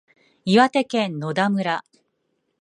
岩手県野田村